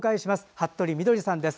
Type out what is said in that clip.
服部みどりさんです。